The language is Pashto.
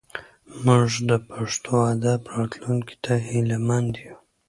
موږ د پښتو ادب راتلونکي ته هیله مند یو.